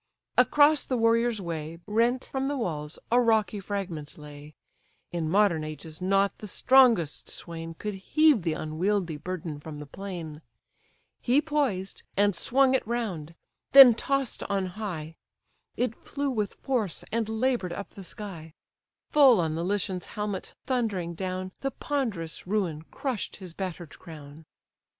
Across the warrior's way, Rent from the walls, a rocky fragment lay; In modern ages not the strongest swain Could heave the unwieldy burden from the plain: He poised, and swung it round; then toss'd on high, It flew with force, and labour'd up the sky; Full on the Lycian's helmet thundering down, The ponderous ruin crush'd his batter'd crown.